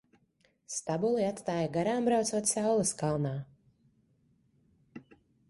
Stabuli atstāju garām braucot saules kalnā.